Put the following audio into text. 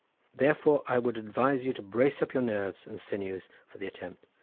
Therefore I would advise you to brace up your nerves and sinews for the attempt."